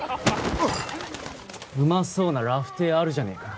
うまそうなラフテーあるじゃねえか。